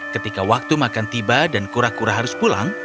ketika waktu makan tiba dan kura kura harus pulang